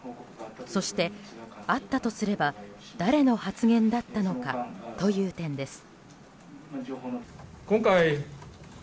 そして、あったとすれば誰の発言だったのかという点です。